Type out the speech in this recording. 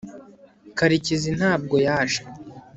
karekezi ntabwo yaje